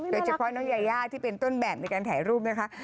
โดยเฉพาะน้องยายาที่เป็นต้นแบบในการถ่ายรูปนะคะ